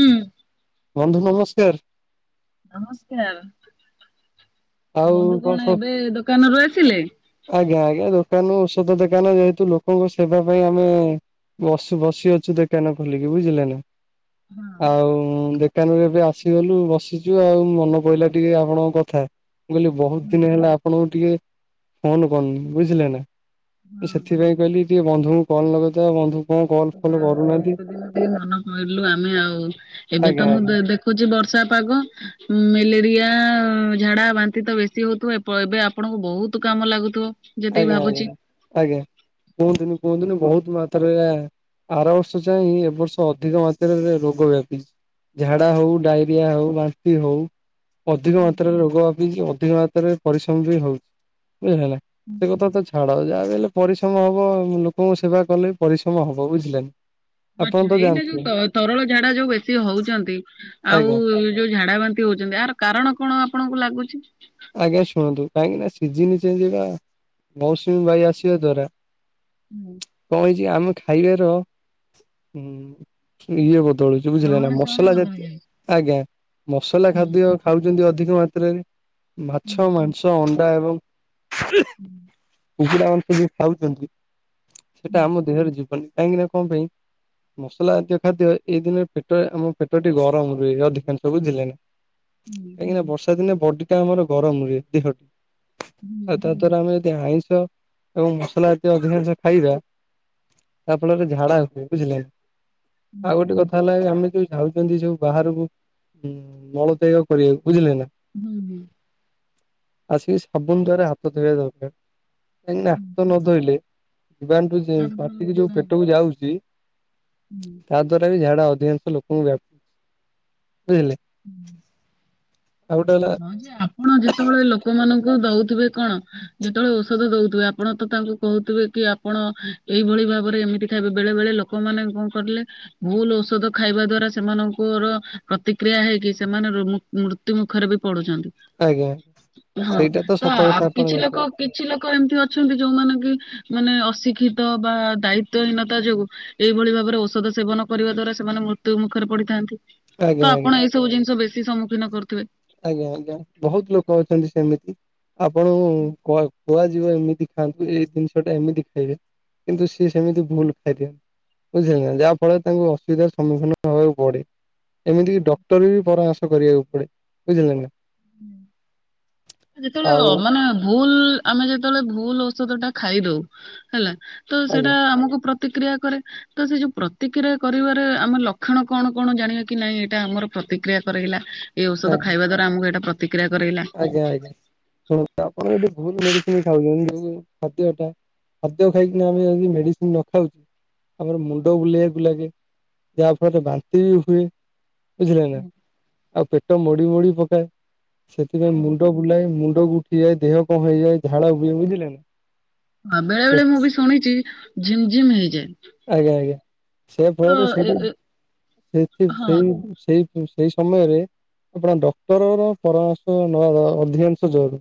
ହୁଁ। ବନ୍ଧୁ ନମସ୍କାର। ନମସ୍କାର, ଆଉ ବନ୍ଧୁ କଣ ସବୁ ଏବେ ଦୋକାନରୁୁ ଆସିଲେ? ଆଜ୍ଞା ଆଜ୍ଞା ଦୋକାନ ଔଷଧ ଦୋକାନ ଯେହେତୁ ଲୋକଙ୍କ ସେବା ପାଇଁ ଆମେ ବସ ବସି ଅଛୁ ଦୋକାନ ଖୋଲିକି ବୁଝିଲେ ନା। ହଁ। ଆଉ ଉଁ ଦୋକାନରୁ ଏବେ ଆସିଗଲୁ ବସିଚୁ ଆଉ ମନେ ପଇଲା ଟିକେ ଆପଣଙ୍କ କଥା। ମୁଁ କହିଲି ବହୁତ ହୁଁ ଦିନ ହେଲା ଆପଣଙ୍କୁ ଟିକେ ଫୋନ କରନି ବୁଝିଲେ ନା। ସେଥିପାଇଁ କହିଲି ଟିକେ ବନ୍ଧୁଙ୍କୁ କଲ ଲଗେଇ ଦଆ ବନ୍ଧୁ କଣ କଲ୍ ହଁ ଫଲ ଯାହା କରୁ ହଉ ଏତେ ଦିନ ଟିକେ ମନ କହିଲୁ ଆମେ ଆଉ ଏବେ ତ ଆଜ୍ଞା ମୁଁ ଆଜ୍ଞା ଦେ ଦେଖ ଉଚି ବର୍ଷା ପାଗ ମେଲେରିଆ, ଝାଡା ବାନ୍ତି ତ ବେଶୀ ହଉଥିବ। ଏପ ପ ଏବେ ଆପଣଙ୍କୁ ବହୁତ କାମ ଲାଗୁଥିବ। ଯେତିକି ଆଜ୍ଞା ଭାବୁଛି। ଆଜ୍ଞା ଆଜ୍ଞା କୁହନ୍ତୁନି କୁହନ୍ତୁନି ବହୁତ ମାତ୍ରାରେ ଆ ଆର ବର୍ଷ ଯାଇଁଁ ଏ ବର୍ଷ ଅଧିକ ମାତ୍ରାରେ ରୋଗ ବ୍ୟାପିଚି। ଝାଡା ହଉ ଡାଇରିଆ ହଉ ବାନ୍ତି ହଉ ଅଧିକ ମାତ୍ରାରେ ରୋଗ ବାପିକି ଅଧିକ ମାତ୍ରାରେ ପରିଶ୍ରମ ବି ହଉଚି ବୁଝି ହେଲା। ସେ କଥା ତ ଛାଡ ଯାହା ବି ହେଲେ ପରିଶ୍ରମ ହବ ଲୋକଙ୍କ ସେବା କଲେ ପରିଶ୍ରମ ହବ ବୁଝିଲେ ନା। ଆପଣ ଆଚ୍ଛା ତ ଏଇନା ଜାଣିଥିବେ ଯୋଉ ତରଳ ଝାଡା ଯୋଉ ବେଶୀ ହଉଚନ୍ତି ଆଉ ଆଜ୍ଞା ଯୋଉ ଝାଡା ବାନ୍ତି ବେଶୀ ହଉଛନ୍ତି ଆର କାରଣ କଣ ଆପଣଙ୍କୁ ଲାଗୁଚି? ଆଜ୍ଞା ଶୁଣନ୍ତୁ କାହିଁକି ନା ସିଜୀନି ଚେଞ୍ଜେ ହେବା ମୋୖଷୁମି ବାୟୁ ଆସିବା ହୁଁ ଦ୍ୱାରା [unintelligible] ଇଏ ଆମେ ଖାଇବାର ମ-ମ ଇଏ ବଦଳିଚି। ଯୋଉ ବୁଝିଲେ ନା ରହଣି ସହଣି ମସଲା ବଦଳି ଜାତୀୟ ଯାଇଛି। ଆଜ୍ଞା ମସଲା ହୁଁ ଖାଦ୍ୟ ଖାଉଚନ୍ତି ଅଧିକ ମାତ୍ରାରେ ହୁଁ ମାଛ, ମାଂସ, ଅଣ୍ଡା ଏବଂ ହୁଁ କୁକୁଡ଼ା ମାଂସ ଯୋଉ ଖାଉଚନ୍ତି ହୁଁ ସେଟା ଆମ ଦେହରେ ଯିବନି କାହିଁକି ନା କଣ ପାଇଁ ମସଲା ଜାତୀୟ ଖାଦ୍ୟ ଏଇ ଦିନେ ପେଟ ଆମ ପେଟଟି ଗରମ ରୁହେ ଅଧିକାଂଶ ବୁଝିଲେ ନା। ହୁଁ। କାହିଁକିନା ବର୍ଷା ଦିନେ ବଡିିଟା ଆମର ଗରମ ରୁହେ ଦେହ। ହୁଁ ଆଉ ତ ଧର ଆମେ ଯଦି ଆଇଁଷ ଏବଂ ମସଲା ଜାତୀୟ ଅଧିକାଂଶ ଖାଇବା ତା ଫଳରେ ଝାଡା ହେବେ ବୁଝିଲେ। ଆଉ ହୁଁ ଗୋଟେ କଥା ହେଲା ଆମେ ଯୋଉ ଯାଉଚନ୍ତି ସବୁ ବାହାରକୁ ଉଁ ମଳତ୍ୟାଗ କରିବାକୁ ବୁଝିଲେ ନା। ହୁଁ। ଆସିକି ସାବୁନ ଦ୍ୱାରା ହାତ ଧୋଇବା ଦରକାର। କାହିଁକି ନା ହୁଁ ହାତ ନ ଧୋଇଲେ ଜୀବାଣୁ ଯୋଉ ଯେମ ତାରକୁ ପାଟିକି ଯିବା ଯୋଉ ପେଟକୁ ଯାଉଚି ହୁଁ। ତା ଦ୍ଵାରା ବି ଝାଡା ହଉ ଅଧିକାଂଶ ଲୋକଙ୍କୁ ବ୍ୟାପ ବୁଝିଲେ। ହୁଁ। ଆଉ ଗୋଟେ ହେଲା ହଁ ଯେ ଆପଣ ଯେତେବେଳେ ଲୋକମାନଙ୍କୁ ଦଉଥିବେ କଣ ଯେତେବେଳେ ଓଷଦ ଦଉଥିବେ ଆପଣ ତ ତାଙ୍କୁ କହୁଥିବେ କି ଆପଣ ଏଇଭଳି ଭାବରେ ଏମିତି ଖାଇବେ। ବେଳେ ବେଳେ ଲୋକ ଲୋକମାନେ କଣ କରିଲେ ଭୁଲ ଓଷଦ ଖାଇବା ଦ୍ଵାରା ସେମାନଙ୍କର ପ୍ରତିକ୍ରିୟା ହେଇକି ସେମାନେ ରୋ ମୁ ମୃତ୍ୟୁ ମୁୁଖରେ ବି ପଡୁଚନ୍ତି ଆଜ୍ଞା ହଁ ସେଇଟା ତ ସତ କଥା ଆଉ ଆପଣ କିଛି ଯାହା ଲୋକ କହିଲେ କିଛି ଲୋକ ଏମିତି ଅଛନ୍ତି ଯୋଉମାନେ କି ମାନେ ଅଶିକ୍ଷିତ ବା ଦାୟିତ୍ଵହୀନତା ଯୋଗୁ ଏଇ ଭଳି ଭାବରେ ଓଷଦ ସେବନ କରିବା ଦ୍ଵାରା ସେମାନେ ମୃତ୍ୟୁ ମୁଖରେ ପଡିଥାନ୍ତି। ଆଜ୍ଞା ତ ଆଜ୍ଞା ଆପଣ ଏଇ ସବୁ ଜିନିଷ ବେଶୀ ସମ୍ମୁଖୀନ କରୁଥିବେ। ଆଜ୍ଞା ଆଜ୍ଞା ବହୁତ ଲୋକ ଅଛନ୍ତି ସେମିତି। ଆପଣଙ୍କୁ କୁଆ ଯିବ ଏମିତି ଖାଆନ୍ତୁ ଏଇ ଜିନିଷ ଟା ଏମିତି ଖାଇବେ କିନ୍ତୁ ସିଏ ସେମିତି ଭୁଲ ଖାଇଦିଅନ୍ତି। ବୁଝିଲେ ନା ଯାହା ଫଳରେ ତାଙ୍କୁ ଅସୁବିଧାର ସମ୍ମୁଖୀନ ହେବାକୁ ପଡେ। ଏମିତି କିି ଡକ୍ଟର ବି ପରାମର୍ଶ କରିବାକୁ ପଡେ ବୁଝିଲେ ନା। ଯେତେବେଳେ ଆଉ ଅ ମାନେ ଭୁଲ ଆମେ ଯେତେବେଳେ ଭୁଲ ଓଷଦଟା ଖାଇ ଦଉ ହେଲା ତ ସେଇଟା ଆଜ୍ଞା ଆମୁକୁ ପ୍ରତିକ୍ରିୟା କରେ। ତ ସେ ଯୋଉ ପ୍ରତିକ୍ରିୟା କରିବାରେ ଆମର ଲକ୍ଷଣ କଣ କଣ ଜାଣିବା କି ନାଇଁ ଏଇଟା ଆମର ପ୍ରତିକ୍ରିୟା କରେଇଲା? ଏ ଓଷଦ ଆଜ୍ଞା ଖାଇବା ଦ୍ୱାରା ଆମକୁ ଏଇଟା ପ୍ରତିକ୍ରିୟା କରେଇଲା। ଆଜ୍ଞା ଆଜ୍ଞା ଶୁଣନ୍ତୁ ଆପଣ ଏଠୁ ଭୁଲ୍ ମେଡିସିନ ଖାଉଛନ୍ତି ଯଦିଓ, ଖାଦ୍ୟଟା ଖାଦ୍ୟ ଖାଇକିନା ଆମେ ଯଦି ମେଡିସିନ ନ ଖାଉଛୁ ଆମର ମୁଣ୍ଡ ବୁଲେଇବାକୁ ଲାଗେ ଯାହା ଫଳରେ ବାନ୍ତି ବି ହୁଏ। ବୁଝିଲେ ନା ଆଉ ପେଟ ମୋଡି ମୋଡି ପକାଏ। ସେଥିପାଇଁ ମୁଣ୍ଡ ବୁଲାଏ ମୁଣ୍ଡକୁ ଉଠି ଯାଏ ଦେହ କଣ ହେଇଯାଏ ଝାଳା ବୁହେ ବୁଝିଲେ ନା। ହଁ ବେଳେ ବେଳେ ମୁଁ ବି ଶୁଣିଛି ଝିମ୍ ଝିମ୍ ହେଇଯାଏ। ଆଜ୍ଞା ଆଜ୍ଞା ସେଇ ତ ଫଳରେ ଏ ସେଇଠି ଏ ସେଠି ସେଇ ହଁ ସେଇ ସେଇ ସମୟରେ ଆପଣ ଡକ୍ଟରର ପରାମର୍ଶ ନବା [unintelligible] ଅଧିକାଂଶ ଜରୁରୀ।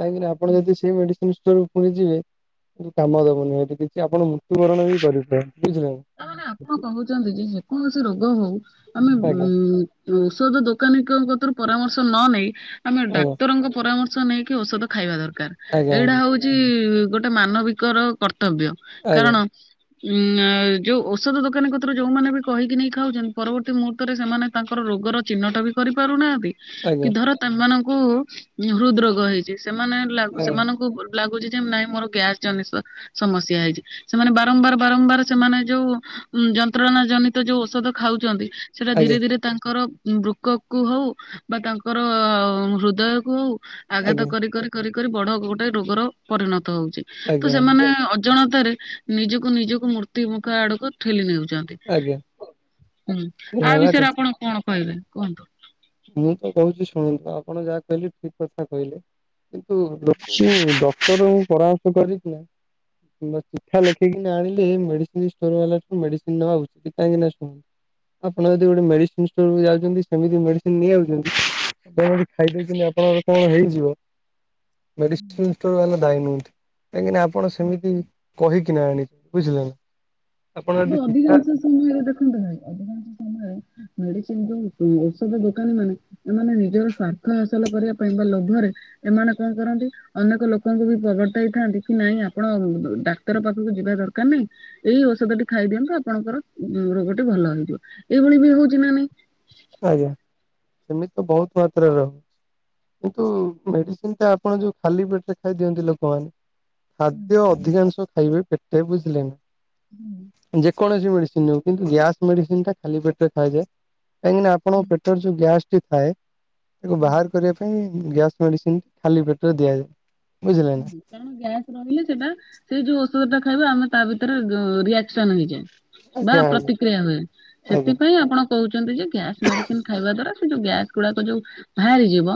କାହିଁକିନା ଆପଣ ଯଦି ସେଇ ମେଡିସିନ ଷ୍ଟୋର କୁ ପୁଣି ଯିବେ କିଛି କାମ ଦବନି ସେଠି କିଛି ଆପଣ ମୃତ୍ୟୁବରଣ ବି କରିପାରନ୍ତି ବୁଝିଲେ ନା। ତା ମାନେ ଆପଣ କହୁଛନ୍ତି ଯେ ଯେକୌଣସି ରୋଗ ହଉ ଆମେ ଆଜ୍ଞା ଉଁ ଔଷଧ ଦୋକାନୀଙ୍କ କତରୁ ପରାମର୍ଶ ନ ନେଇ ଆମେ ଆଜ୍ଞା। ଡାକ୍ତରଙ୍କ ପରାମ ର୍ଶ ନେଇକି ଔଷଧ ଖାଇବା ଦରକାର ଆଜ୍ଞା ଏଇଟା ହଉଛି ଗୋଟେ ମାନବିକର କର୍ତ୍ତବ୍ୟ। ଆଜ୍ଞା କାରଣ ଉଁ ଯୋଉ ଔଷଧ ଦୋକାନୀ କତିରୁ ଯୋଉମାନେ ବି କହିକି ନେଇକି ଖାଉଛନ୍ତି ପରବର୍ତ୍ତୀ ମୁହୂର୍ତ୍ତରେ ସେମାନେ ତାଙ୍କର ରୋଗର ଚିହ୍ନଟ ବି କରିପାରୁନାହାନ୍ତି କି ଧର ତେମାନଙ୍କୁ ଉଁ ହୃଦ ରୋଗ ହେଇଛି ସେମାନେ ଲାଗ ଆଜ୍ଞା ସେମାନଙ୍କୁ ଲାଗୁଛି ଯେ ନାଇଁ ମୋର ଗ୍ୟାସ ଜନିସ ସମସ୍ୟା ହେଇଛି ସେମାନେ ବାରମ୍ବାର ବାରମ୍ବାର ସେମାନେ ଯୋଉ ଉଁ ଯନ୍ତ୍ରଣା ଜନିତ ଯୋଉ ଔଷଧ ଖାଉଛନ୍ତି ସେଇଟା ଆଜ୍ଞା ଧୀରେ ଆଜ୍ଞା ଧୀରେ ତାଙ୍କର ବୃକକ କୁ ହଉ ବା ତାଙ୍କର ହୃଦୟ କୁ ହଉ ଆଘାତ ଆଜ୍ଞା କରିି କରି କରି କରି ବଡ ଗୋଟେ ରୋଗର ପରିଣତ ହଉଛି ତ ଆଜ୍ଞା ଆଜ୍ଞା ସେମାନେ ଅଜାଣତାରେ ନିଜକୁ ନିଜକୁ ମୂର୍ତ୍ତି ମୁଖ ଆଡକୁ ଠେଲି ନେଉଛନ୍। ଆଜ୍ଞା। ହୁଁ ଏ ଆ ହେଲା ବିଷୟରେ କଥା ଆପଣ କଣ କହିବେ କୁହନ୍ତୁ? ମୁଁ ତ କହୁଛି ଶୁଣନ୍ତୁ ଆପଣ ଯାହା କହିଲେ ଠିକ କଥା କହିଲେ। କିନ୍ତୁ [unintelligible] ଡକ୍ଟରଙ୍କୁ ପରାମର୍ଶ କରିଥିଲେ ଏଇନା ଚିଠା ଲେଖିକିନା ଆଣିଲେ ମେଡିସିନଷ୍ଟୋର ବାଲାଠୁ ମେଡିସିନ ନବା ଉଚିତ କାହିଁକି ନା ଶୁଣନ୍ତୁ ଆପଣ ଯଦି ଗୋଟେ ମେଡ଼ିସିନ୍ ଷ୍ଟୋରକୁ ଯାଉଛନ୍ତି ସେମିତି ମେଡ଼ି ସିନ୍ ନେଇ ଆଉଛନ୍ତି ଆପଣ ଯଦି ଖାଇଦଉଛନ୍ତି ଆପଣଙ୍କର କଣ ହେଇଯିବ ମେଡିସିନ ବଲା ଦାୟୀ ନୁହଁନ୍ତି, କାହିଁକିନା ଆପଣ ସେମିତି କହିକିନା ଆଣିଛନ୍ତି ବୁଝିଲେ ନା? ଆପଣ ଯଦି ଟିକେ ଶିକ୍ଷା ଅଧିକାଂଶ ସମୟରେ ଦେଖନ୍ତୁ ଭାଇ ଅଧିକାଂଶ ସମୟରେ ମେଡିସିନ ଯୋଉ ଔଷଧ ଦୋକାନୀମାନେ ଏମାନେ ନିଜର ସ୍ଵାର୍ଥ ହାସଲ କରିବା ପାଇଁ ବା ଲୋଭରେ ଏମାନେ କଣ କରନ୍ତି? ଅନେକ ଲୋକଙ୍କୁ ବି ପ୍ରବର୍ତ୍ତାଇଥାନ୍ତି କି ନାଇଁ ଆପଣ ଡାକ୍ତର ପାଖକୁ ଯିବା ଦରକାର ନାଇଁ ଏଇ ଔଷଧ ଟି ଖାଇଦିଅନ୍ତୁ ଆପଣଙ୍କର ଉଁ ରୋଗଟି ଭଲ ହେଇଯିବ, ଏଇଭଳି ବି ହଉଛି ନା ନାଇଁ? ଆଜ୍ଞା ସେମିତି ତ ବହୁତ ମାତ୍ରାରେ ହଉ କିନ୍ତୁ ମେଡିସିନ ଟା ଆପଣ ଯୋଉ ଖାଲି ପେଟରେ ଖାଇ ଦିଅନ୍ତି ଲୋକମାନେ ଖାଦ୍ୟ ଅଧିକାଂଶ ଖାଇବେ ପେଟେ ବୁଝିଲେ ନା? ହୁଁ। ଯେକୌଣସି ମେଡିସିନ ହଉ କିନ୍ତୁ ଗ୍ୟାସ୍ ମେଡିସିନ ଟା ଖାଲି ପେଟରେ ଖଇବେ କାହିଁକିନା ଆପଣଙ୍କ ପେ ପଟ ଯୋଉ ଗ୍ୟାସ୍ ଟି ଥାଏ ତାକୁ ବାହାର କରିବା ପାଇଁ ଗ୍ୟାସ୍ ମେଡିସିନ ଖାଲି ପେଟରେ ଦିଆଯାଏ। ବୁଝିଲେଣି? ହୁଁ କାରଣ ଗ୍ୟାସ ରହିଲେ ସେଟା ସେଇ ଯୋଉ ଔଷଧ ଟା ଖାଇବା ଆମେ ତା ଭିତରେ ସନ ହେଇଯାଏ ବା ଆଜ୍ଞା ଆଜ୍ଞା ପ୍ରତିକ୍ରିୟା ହୁଏ ଆଜ୍ଞା ଆଜ୍ଞା ସେଥିପାଇଁ ଆପଣ କହୁଛନ୍ତି ଯେ ଗ୍ୟାସ ମେଡିସିନ ଖାଇବା ଦ୍ଵାରା ସେ ଯୋଉ ଗ୍ୟାସ ଗୁଡାକ ଯୋଉ ବାହାରିଯିବ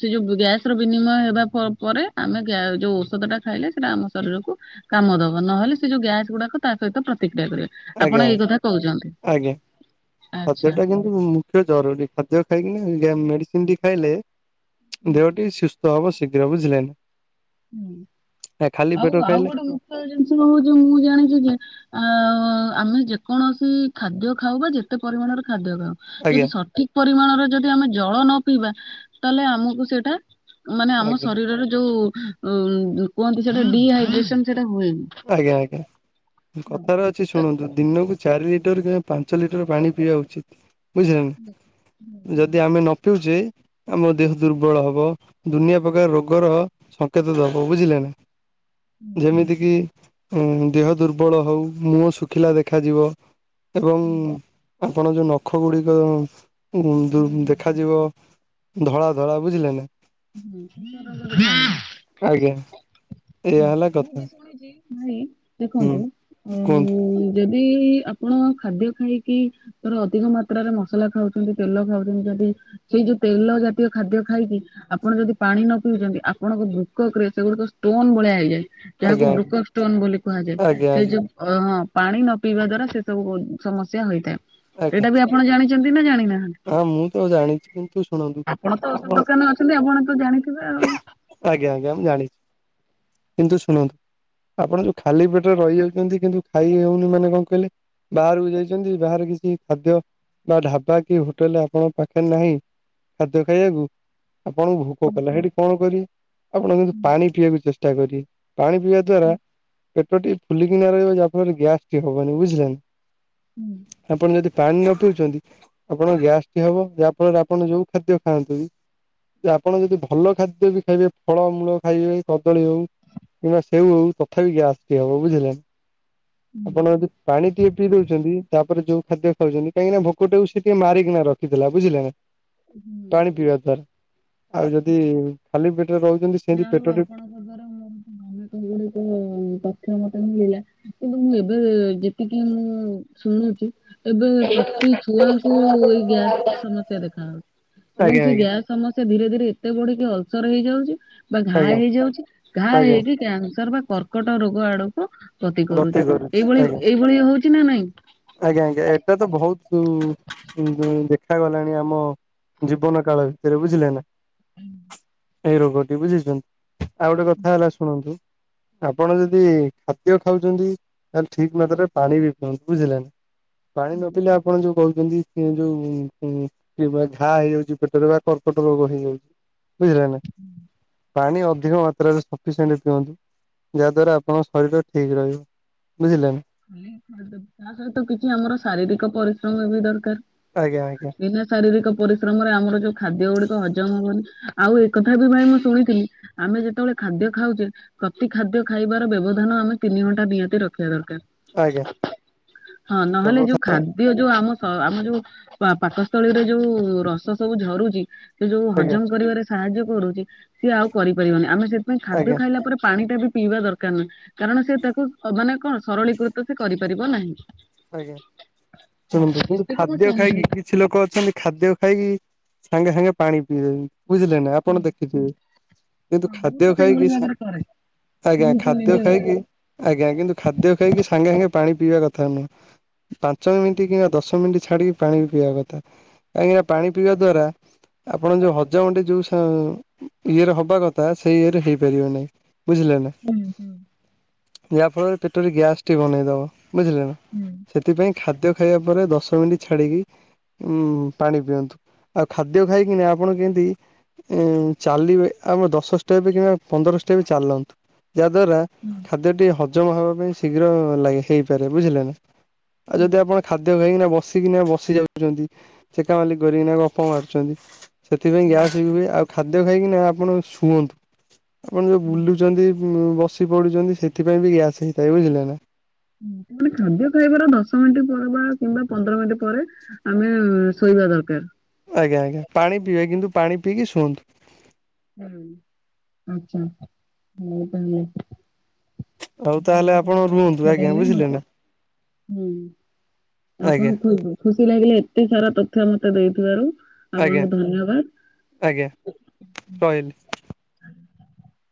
ସେ ଯୋଉ ଗ୍ୟାସ ର ବିନିମୟ ହେବା ପରେ ଆମେ ଗ୍ୟା ଯୋଉ ଔଷଧ ଟା ଖାଇଲେ ନଥିଲେ ସେଟା ଆମ ଶରୀରକୁ କାମ ଦବ ନହେଲେ ସେ ଯୋଉ ଗ୍ୟାସ ଗୁଡା ତା ସହିତ ପ୍ରତିକ୍ରିୟା କରିବା। ଆଜ୍ଞା ଆଜ୍ଞା ଆଜ୍ଞା ଆଚ୍ଛା। ଖଦ୍ୟଟା କିନ୍ତୁ ମୁଖ୍ୟ ଜରୁରୀ ଖାଦ୍ୟ ଖାଇକିନା ମେଡିସିନ ଟି ଖାଇଲେ ଦେହଟି ସୁସ୍ଥ ହବ ଶୀଘ୍ର ବୁଝିଲ ନା। ଖାଲି ହୁଁ ଆଉ ପେଟ ଆଉ ଖାଇଲେ ଗୋଟେ ମୁଖ୍ୟ ଜିନିଷ କ ହଉଛି ମୁଁ ଜାଣିଛି ଯେ ଆ ଆମେ ଯେକୌଣସି ଖାଦ୍ୟ ଖାଉ ବା ଯେତେ ପରିମାଣରେ ଖାଦ୍ୟ ଖାଉ ଆଜ୍ଞା ଯଦି ସଠିକ୍ ପରିମାଣରେ ଯଦି ଆମେ ଜଳ ନ ପିଇବା ତାହେଲେ ଆମକୁ ସେଇଟା ମାନେ ଆମ ଆଜ୍ଞା ଶରୀରର ଯୋଉ କୁହନ୍ତି ସେଟା ଡିହାଇଡ୍ରେସନ ସେଇଟା ହୁଏନି। ଆଜ୍ଞା ଆଜ୍ଞା କଥାର ଅ ଅଛି ଶୁଣନ୍ତୁ ଦିନକୁ ଚାରି ଲିଟର କିମ୍ବା ପାଞ୍ଚ ଲିଟର ପାଣି ପିଇବା ଉଚିତ୍। ବୁଝିଲେ ନା ଯଦି ଆମେ ନ ପିଉଚେ ଆମ ଦେହ ଦୁର୍ବଳ ହବ ଦୁନିଆ ପ୍ରକାର ରୋଗର ସଙ୍କେତ ଦବ ବୁଝିଲେ ନା ଯେମିତି କିି ଉଁ ଦେହ ଦୁର୍ବଳ ହଉ ମୁହଁ ଶୁଖିଲା ଦେଖାଯିବ ଏବଂ ଆପଣ ଯୋଉ ନଖ ଗୁଡିକ ଉ ଦେଖାଯିବ ଧଳା ଧଳା ବୁଝିଲେ ନା ମୁଁ ଆଜ୍ଞା ଏଇଆ ହେଲା କଥା ବି ଶୁଣିଛି ଭାଇ ହୁଁ ଦେଖନ୍ତୁ ଅ କୁହନ୍ତୁ ଯଦି ଆପଣ ଖାଦ୍ୟ ଖାଇକି ତୋର ଅଧିକ ମାତ୍ରାରେ ମସଲା ଖାଉଛନ୍ତି ତେଲ ଖାଉଛନ୍ତି ଯଦି ସେଇ ଯୋଉ ତେଲ ଜାତୀୟ ଖାଦ୍ୟ ଖାଇକି ଆପଣ ଯଦି ପାଣି ନ ପିଉଛନ୍ତି ଆପଣଙ୍କ ବୃକକରେ ସେଗୁଡିକ ଷ୍ଟୋନ ଭଳିଆ ହୋଇଯାଏ। ଯାହାକୁ ଆଜ୍ଞା ବ୍ରୁକକ ଷ୍ଟୋନ ବୋଲି କୁହାଯାଏ ଆଜ୍ଞା ସେଇ ଆଜ୍ଞା ଯୋଉ ଅ ହଁ ପାଣି ନ ପିଇବା ଦ୍ଵାରା ସେ ସବୁ ସମସ୍ୟା ହେଇଥାଏ ଆଜ୍ଞା ସେଇଟା ବି ଆ ଆପଣ ଜାଣିଛନ୍ତି ନା ଜାଣିନାହାନ୍ତି? ହଁ ମୁଁ ତ ଜାଣିଛି କିନ୍ତୁ ଶୁଣନ୍ତୁ ଆପଣ ଦେଖିବା ଆଉ ଆଜ୍ଞା ଆଜ୍ଞା ମୁଁ ଜାଣିଛି କିନ୍ତୁ ଶୁଣନ୍ତୁ ଆପଣ ଯୋଉ ଖାଲି ପେଟରେ ରହିଯାଉଛନ୍ତି କିନ୍ତୁ ଖାଇ ହଉନି ମାନେ କଣ କହିଲେ ବାହାରକୁ ଯାଇଛନ୍ତି ବାହାରେ କିଛି ଖାଦ୍ୟ ବା ଢ଼ାବା କି ହୋଟେଲ ଆପଣଙ୍କ ପାଖରେ ନାହିଁ ଖାଦ୍ୟ ଖାଇବାକୁ ଆପଣଙ୍କୁ ଭୋକ କଲା ସେଠି କଣ କରିବେ ଆପଣ କିନ୍ତୁ ପାଣି ପିଇବାକୁ ଚେଷ୍ଟା କରିବେ ପାଣି ପିଇବା ଦ୍ଵାରା ପେଟଟି ଫୁଲିକିନା ରହିବ ଯାହା ଫଳରେ ଗ୍ୟାସ୍ଟିିକ ହବନି ବୁଝିଲେ ନା। ହୁଁ ଆପଣ ଯଦି ପାଣି ନ ପିଉଛନ୍ତି ଆପଣ ଗ୍ୟାସ୍ଟି ହବ ଯାହା ଫଳରେ ଆପଣ ଯୋଉ ଖାଦ୍ୟ ଖାଆନ୍ତୁ ବି ଆପଣ ଯଦି ଭଲ ଖାଦ୍ୟ ବି ଖାଇବେ ଫଳମୂଳ ଖାଇବେ କଦଳୀ ହଉ କିବା ସେଉ ହଉ ତଥାପି ଗ୍ୟାସ୍ ଟି ହବ ବୁଝିଲେ। ହୁଁ ଆପଣ ଯଦି ପାଣି ଟିକେ ପିଇ ଦଉଛନ୍ତି ତାପରେ ଯୋଉ ଖାଦ୍ୟ ଖାଉଛନ୍ତି କାହିଁକିନା ଭୋକଟିକୁ ସେ ସେ ମାରିକିନା ରଖିଦେଲା ବୁଝିଲେ ନା ହୁଁ। ପାଣି ପିଇବା ଦ୍ଵାରା। ଆଉ ଯଦି ଖାଲି ପେଟରେ ରହୁ ଯାହା ହଉ ଆପଣଙ୍କ ଦ୍ଵାରା ମୋର ମନେ [unintelligible] ତଥ୍ୟ ମତେ ମିଳିଲା। କିନ୍ତୁ ମୁଁ ଏବେ ଯେତିକି ମୁଁ ଶୁଣୁଛି ଏବେ ପ୍ରତି ଛୁଆଙ୍କୁ ଏଇ ଗ୍ୟାସ ସମସ୍ୟା ଦେଖା ହଉଛି ଏବଂ ଆଜ୍ଞା ସେ ଆଜ୍ଞା ଗ୍ୟାସ ସମସ୍ୟା ଧୀରେ ଧୀରେ ଏତେ ବଢିକି ଅଲସର ହେଇଯାଉଛି। ପୂରା ଘା ଆଜ୍ଞା ହେଇଯାଉଛି ଘା ଆଜ୍ଞା ହେଇକି କ୍ୟାନସର ବା କର୍କଟ ରୋଗ ଆଡକୁ ଗତି କରୁଛି। ଏଇଭଳି ଏଇଭଳି ହଉଛି ନା ନାଇଁ? ଆଜ୍ଞା ଆଜ୍ଞା ଏଇଟା ତ ବହୁତ ଉଁ-ଉଁ- ଦେଖାଗଲାଣି ଆମ ଜୀବନ କାଳ ଭିତରେ ବୁଝିଲେ ନା? ହୁଁ। ଏଇ ରୋଗଟି ବୁଝିଛ ଆଉ ଗୋଟେ କଥା ହେଲା ଶୁଣନ୍ତୁ ଆପଣ ଯଦି ଖାଦ୍ୟ ଖାଉଛନ୍ତି ତାହେଲେ ଠିକ୍ ମାତ୍ରାରେ ପାଣି ବି ପିଅନ୍ତୁ। ବୁଝିଲେ ନା ପାଣି ନ ପିଇଲେ ଆପଣ ଯୋଉ କହୁଛନ୍ତି ଇଏ ଯୋଉ କି [unintelligible] ଘା ହେଇଯାଉଛି ପେଟରେ ବା କର୍କଟ ରୋଗ ହେଇଯାଉଛି। ବୁଝିଲେ ନା ପାଣି ଅଧିକ ମାତ୍ରାରେ ସଫସିଏଣ୍ଟ୍ ପିଅନ୍ତୁ। ଯାହାଦ୍ୱାରା ଆପଣଙ୍କ ଶରୀର ଠିକ୍ ରହିବ ବୁଝିଲେନା? [unintelligible] ତା ସହିତ କିଛି ଆମର ଶାରୀରିକ ପରିଶ୍ରମ ବି ଦରକାର। ଆଜ୍ଞା ଆଜ୍ଞା। ବିନା ଶାରୀରିକ ପରିଶ୍ରମରେ ଆମର ଯୋଉ ଖାଦ୍ୟ ଗୁଡିକ ହଜମ ହଉନି ଆଉ ଏକଥା ବି ଭାଇ ମୁଁ ଶୁଣିଥିଲି ଆମେ ଯେତେବେଳେ ଖାଦ୍ୟ ଖାଉଛେ ପ୍ରତି ଖାଦ୍ୟ ଖାଇବାର ବ୍ୟବଧାନ ଆମେ ତିନି ଘଣ୍ଟା ନିହାତି ରଖିବା ଦରକାର। ଆଜ୍ଞା ହଁ ନହେଲେ ଯୋଉ ଖା ଯୋଉ ଯୋଉ ଆମ -ସ- ଆମ ଯୋଉ ପା ପାକସ୍ଥଳୀରେ ଯୋଉ ରସ ସବୁ ଝରୁଛି ସେ ଯୋଉ ଆଜ୍ଞା ହଜମ କରିବାରେ ସାହାଯ୍ୟ କରୁଛି ସିଏ ଆଉ କରିପାରିବନି ଆମେ ସେଥିପାଇଁ ଖାଦ୍ୟ ଆଜ୍ଞା ଖାଇଲା ପରେ ପାଣି ଟା ବି ପିଇବା ଦରକାର ନା କାରଣ ସେ ତାକୁ ମାନେ କଣ ସରଳୀକୃତ ସେ କରିପାରିବ ନାହିଁ। ଆଜ୍ଞା ହଁ ଶୁଣନ୍ତୁ କିନ୍ତୁ ଏତିକି ମୁଁ ଖାଦ୍ୟ ଖାଇକି କି ଶୁଣିଥିଲି କିଛି ଲୋକ ଅଛନ୍ତି ଖାଦ୍ୟ ଖାଇକି ସାଙ୍ଗେ ସାଙ୍ଗେ ପାଣି ପିଇ [unintelligible] ବୁଝିଲେ ନା ଆପଣ ଦେଖି ଥିବେ କିନ୍ତୁ ଖାଦ୍ୟ ଖାଇକି ସା କରେ ଆଜ୍ଞା ଖାଦ୍ୟ ଖାଇକି ଆଜ୍ଞା କିନ୍ତୁ ଖାଦ୍ୟ ଖାଇକି ସାଙ୍ଗେ ସାଙ୍ଗେ ପାଣି ପିଇବା କଥା ନୁହଁ। ପାଞ୍ଚ ମିନିଟ କିମ୍ବା ଦଶ ମିନିଟ୍ ଛାଡିକି ପାଣି ପିଇବା କଥା କାହିଁକିନା ପାଣି ପିଇବା ଦ୍ଵାରା ଆପଣ ଯୋଉ ହଜମ ଟି ଯୋଉ ସ ଇଏରେ ହବା କଥା ସେଇ ଇଏ ରେ ହେଇପାରିବ ନାହିଁ ବୁଝିଲେ ନା? ହୁଁ ହୁଁ। ଯାହାଫଳରେ ପେଟରେ ଗ୍ୟାସ୍ ଟି ବନେଇଦବ ବୁଝିଲେ ନା। ହୁଁ। ସେଥିପାଇଁ ଖାଦ୍ୟ ଖାଇବା ପରେ ଦଶ ମିନିଟ୍ ଛାଡିକି ଉୁଁ ପାଣି ପିଅନ୍ତୁ ଆଉ ଖାଦ୍ୟ ଖାଇକିନା ଆପଣ ଯେମିତି ଉଁ ଚାଲିବେ ଆମ ଦଶ ଷ୍ଟେପ କିମ୍ବା ପନ୍ଦର ଷ୍ଟେପ ଚାଲନ୍ତୁ। ଯାହା ଦ୍ଵାରା ଖାଦ୍ୟ ଟି ହଜମ ହବା ପାଇଁ ଶୀଘ୍ର ଲାଗେ ହେଇପାରେ ବୁଝିଲେ ନା। ଆଉ ଯଦି ଆପଣ ଖାଦ୍ୟ ଖାଇକିନା ବସିକିନା ବସି ଯାଉଛନ୍ତି ଚେକା ମାଲି କରିକିନା ଗପ ମାରୁଛନ୍ତି ସେଥିପାଇଁ ଗ୍ୟାସ୍ ବି ହୁଏ ଆଉ ଖାଦ୍ୟ ଖାଇକିନା ଆପଣ ଶୁଅନ୍ତୁ। ଆପଣ ଯୋଉ ବୁଲୁଛନ୍ତି ବସି ପଡୁଛନ୍ତି ସେଥିପାଇଁ ବି ଗ୍ୟାସ ହେଇଥାଏ ବୁଝିଲେ ନା। ହୁଁ କିନ୍ତୁ ଖାଦ୍ୟ ଖାଇବାର ଦଶ ମିନିଟ୍ ପରେ ବା କିମ୍ବା ପନ୍ଦର ମିନିଟ୍ ପରେ ଆମେ ଶୋଇବା ଦରକାର। ଆଜ୍ଞା ଆଜ୍ଞା ପାଣି ପିଇବା କିନ୍ତୁ ପାଣି ପିଇକି ଶୁଅନ୍ତୁ। ହୁଁ ଆଚ୍ଛା ହୋଉ ତାହେଲେ। ଆଉ ଆପଣ ତାହେଲେ ବୋହୁତ ଭଲ ରୁହନ୍ତୁ ତଥ୍ୟ ଆଜ୍ଞା ଦେଲେ ବୁଝିଲେ ମତେ ନା ହୁଁ। ଆଜ୍ଞା ଆପଣଙ୍କୁ ଖୁ-ଖୁସି ଲାଗିଲେ ଏତେ ସାରା ତଥ୍ୟ ମତେ ଦେଇଥିବାରୁ ଆଜ୍ଞା ଆପଣଙ୍କୁ ଧନ୍ୟବାଦ। ଆଜ୍ଞା ରହିଲି। [inaudible]